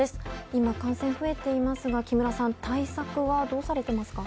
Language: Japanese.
今、感染が増えていますが木村さん対策はどうされていますか？